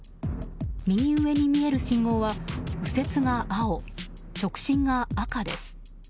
右上に見える信号は右折が青、直進が赤です。